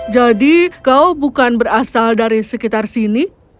jadi kau bukan berasal dari sekitar sini